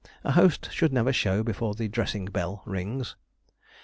A host should never show before the dressing bell rings.